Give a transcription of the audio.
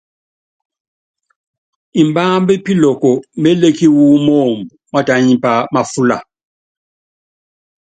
Imbámb Piloko mélékí wɔ́ moomb mátíánípá máfúla.